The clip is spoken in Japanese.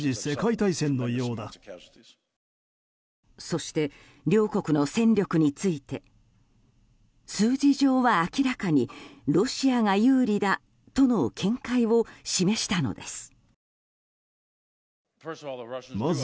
そして、両国の戦力について数字上は明らかにロシアが有利だとの見解を示したのです。